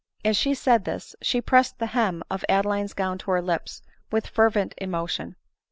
As she said this she pressed the hem of Ade line's gown to her lips with fervent emotion.